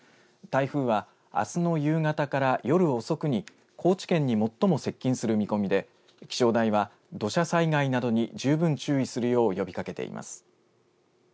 台風はあすの夕方から夜遅くに高知県に最も接近する見込みで気象台は土砂災害などに十分注意するよう呼びかけています。